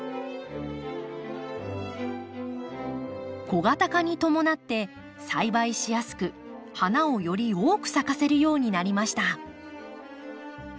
小型化に伴って栽培しやすく花をより多く咲かせるようになりました。